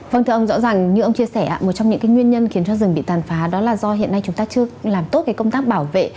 vâng thưa ông rõ ràng như ông chia sẻ một trong những nguyên nhân khiến cho rừng bị tàn phá đó là do hiện nay chúng ta chưa làm tốt cái công tác bảo vệ